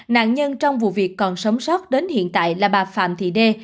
nạn nhân trong vụ việc còn sống sót đến hiện tại là bà phạm thị đê